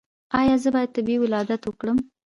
ایا زه باید طبیعي ولادت وکړم؟